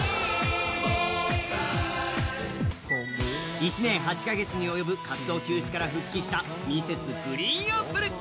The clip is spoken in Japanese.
１年８か月に及ぶ活動休止から復帰したＭｒｓ．ＧＲＥＥＮＡＰＰＬＥ。